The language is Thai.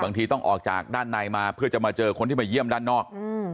ต้องออกจากด้านในมาเพื่อจะมาเจอคนที่มาเยี่ยมด้านนอก